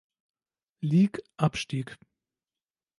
Lig, abstieg.